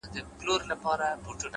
• خو زه تاسي ته كيسه د ژوند كومه,